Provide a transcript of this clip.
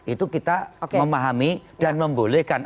itu kita memahami dan membolehkan